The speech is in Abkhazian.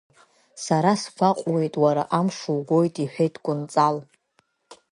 Сара сгәаҟуеит, уара амш угоит, — иҳәеит Кәынҵал.